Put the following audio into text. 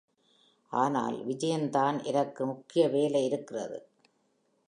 ஆனால் விஜயன் தான், எனக்கு முக்கியமான வேலை இகுக்கிறது.